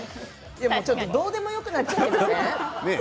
どうでもよくなっちゃいません？